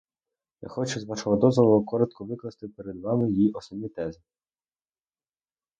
Я хочу, з вашого дозволу, коротко викласти перед вами її основні тези.